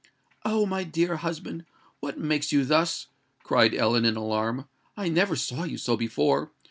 "Oh! my dear husband, what makes you thus?" cried Ellen, in alarm: "I never saw you so before.